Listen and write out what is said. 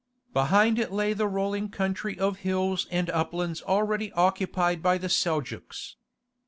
Behind it lay the rolling country of hills and uplands already occupied by the Seljouks.